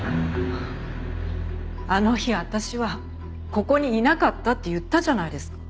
あの日私はここにいなかったって言ったじゃないですか。